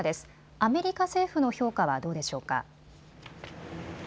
アメリカ政府の評価はどうでしょうか。